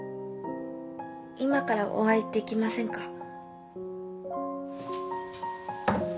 今からお会いできませんか？